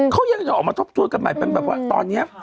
เขายังจะออกมาทบทวนกันใหม่เป็นแบบว่าตอนนี้